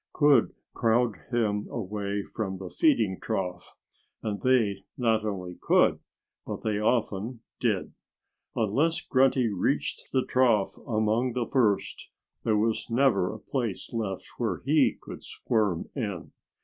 could crowd him away from the feeding trough. And they not only could; but they often did. Unless Grunty reached the trough among the first, there was never a place left where he could squirm in.